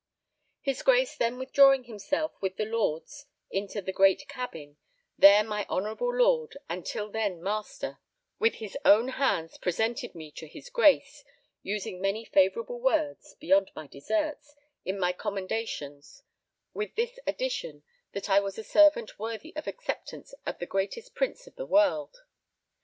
His Grace then withdrawing himself with the lords into the great cabin, there my honourable lord, and till then master, with his own hands presented me to his Grace, using many favourable words (beyond my deserts) in my commendations, with this addition, that I was a servant worthy the acceptance of the greatest prince of the world.